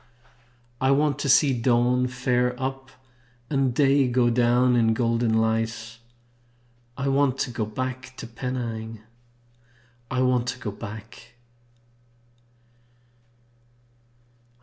I want to see dawn fare up and day Go down in golden light; I want to go back to Penang! I want to go back!